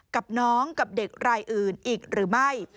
กับน้องกับเด็กรายอื่นอีกหรือไม่